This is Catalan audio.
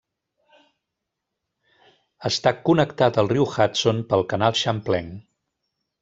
Està connectat al riu Hudson pel Canal Champlain.